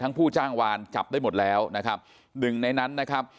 ผู้จ้างวานจับได้หมดแล้วนะครับหนึ่งในนั้นนะครับ